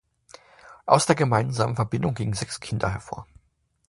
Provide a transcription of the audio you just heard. Aus der gemeinsamen Verbindung gingen sechs Kinder hervor.